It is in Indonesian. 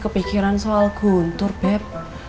kepikiran soal guntur beb